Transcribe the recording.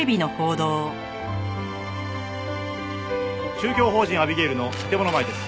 宗教法人アビゲイルの建物前です。